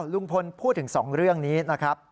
ลุงพลพูดถึง๒เรื่องนี้นะครับ